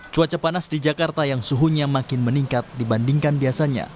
cuaca panas di jakarta yang suhunya makin meningkat dibandingkan biasanya